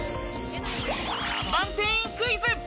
看板店員クイズ！